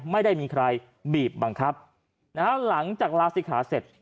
ไม่ได้มีใครบีบบังคับนะฮะหลังจากลาศิกขาเสร็จ